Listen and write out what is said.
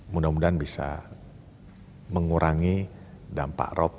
mudah mudahan bisa mengurangi dampak rop